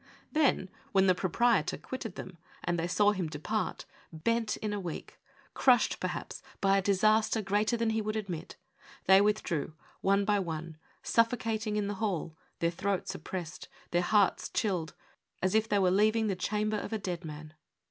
Then, when the proprietor quitted them, and they saw him depart, bent in a week, crushed, perhaps, by a disaster greater than he would admit, they withdrew, one by one, suffocating in the hall, their throats oppressed, their hearts chilled, as if they were leaving the chamber of a dead man.